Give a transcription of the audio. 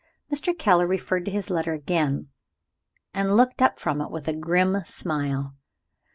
Mr. Keller referred to his letter again, and looked up from it with a grim smile.